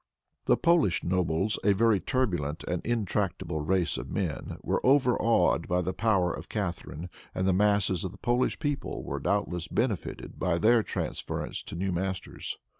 The Polish nobles, a very turbulent and intractable race of men, were overawed by the power of Catharine, and the masses of the Polish people were doubtless benefited by their transference to new masters.